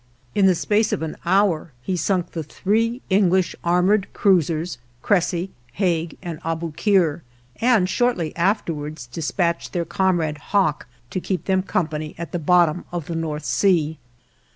In the space of an hour he sunk the three English armored cruisers, "Cressy," "Hague," and "Aboukir," and shortly afterwards dispatched their comrade "Hawke" to keep them company at the bottom of the North Sea.